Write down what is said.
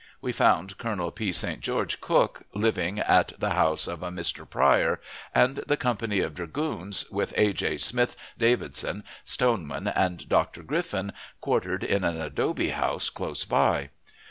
We found Colonel P. St. George Cooke living at the house of a Mr. Pryor, and the company of dragoons, with A. J. Smith, Davidson, Stoneman, and Dr. Griffin, quartered in an adobe house close by.